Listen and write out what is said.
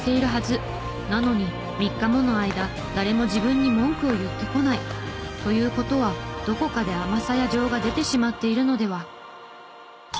なのに３日もの間誰も自分に文句を言ってこない。という事はどこかで甘さや情が出てしまっているのでは。